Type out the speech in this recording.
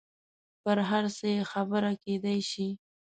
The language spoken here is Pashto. پر هر څه یې خبره کېدای شي.